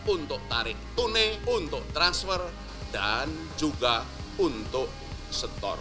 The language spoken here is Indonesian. untuk tarik tuning untuk transfer dan juga untuk setor